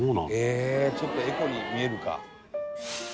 「へえちょっとエコに見えるか」